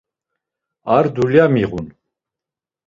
Ar dulya miğun.